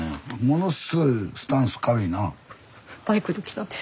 ものすごいスタンス軽いな。